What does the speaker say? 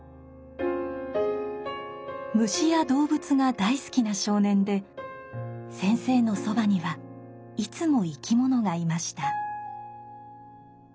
虫や動物が大好きな少年でセンセイのそばにはいつも生き物がいました。